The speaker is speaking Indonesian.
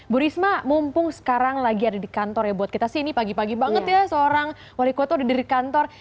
bu risma mumpung sekarang lagi ada di kantor ya buat kita sih ini pagi pagi banget ya seorang wali kota udah dari kantor